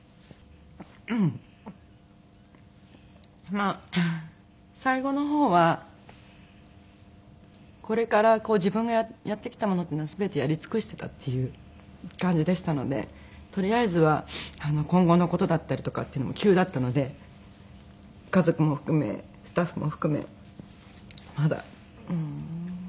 まあ最後の方はこれから自分がやってきたものっていうのは全てやり尽くしてたっていう感じでしたのでとりあえずは今後の事だったりとかっていうのも急だったので家族も含めスタッフも含めまだ。